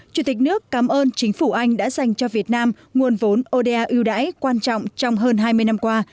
chủ tịch nước cảm ơn chính phủ anh đã dành cho việt nam nguồn vốn oda ưu đãi quan trọng trong hơn hai mươi năm qua